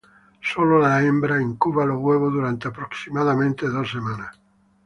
Solo la hembra incuba los huevos durante aproximadamente dos semanas.